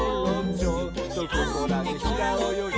「ちょっとここらでひらおよぎ」